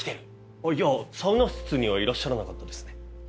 あっいやサウナ室にはいらっしゃらなかったですね。